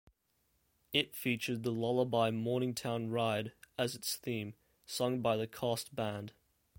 It featured the lullaby "Morningtown Ride" as its theme, sung by the cast band.